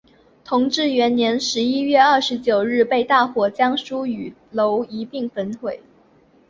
同治元年十一月二十九日被大火将书与楼一并焚毁。